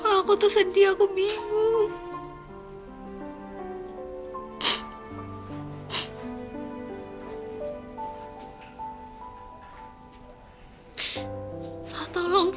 aku tuh sedih aku bingung